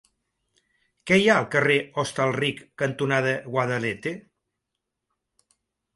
Què hi ha al carrer Hostalric cantonada Guadalete?